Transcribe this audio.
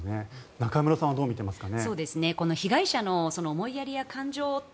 中室さんはどう見ていますか？